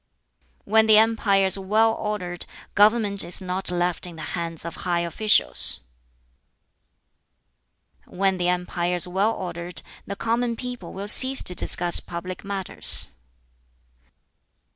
"When the empire is well ordered, government is not left in the hands of high officials. "When the empire is well ordered, the common people will cease to discuss public matters."